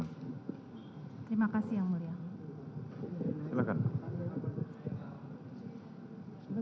terima kasih yang mulia